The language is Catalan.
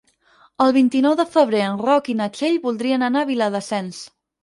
El vint-i-nou de febrer en Roc i na Txell voldrien anar a Viladasens.